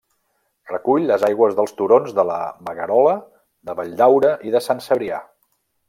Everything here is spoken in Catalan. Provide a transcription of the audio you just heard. Recull les aigües dels turons de la Magarola, de Valldaura i de Sant Cebrià.